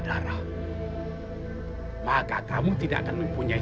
terima kasih mbak